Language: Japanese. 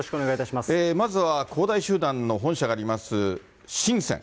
まずは恒大集団の本社があります、深セン。